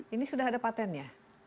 ini sudah ada patent ya